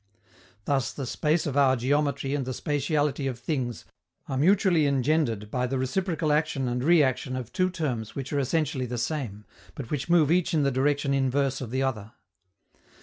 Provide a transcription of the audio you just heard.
Thus, the space of our geometry and the spatiality of things are mutually engendered by the reciprocal action and reaction of two terms which are essentially the same, but which move each in the direction inverse of the other.